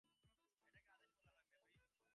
এটাকে আদেশ বলা হয়, ম্যাভরিক।